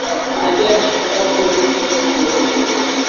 na bila shaka hatutakubali kuchukuliwa kama mali ya mtu